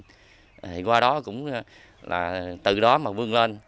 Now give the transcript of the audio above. thì qua đó cũng là từ đó mà vươn lên